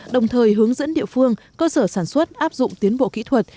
đồng thời hướng dẫn địa phương cơ sở sản xuất áp dụng tiến bộ kỹ thuật